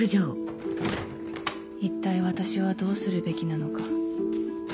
一体私はどうするべきなのか